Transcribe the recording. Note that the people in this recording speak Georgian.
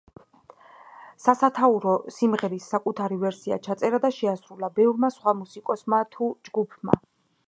სასათაურო სიმღერის საკუთარი ვერსია ჩაწერა და შეასრულა ბევრმა სხვა მუსიკოსებმა თუ ჯგუფმა.